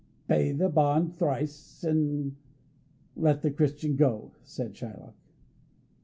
"Pay the bond thrice and let the Christian go," said Shylock.